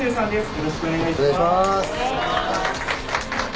よろしくお願いします。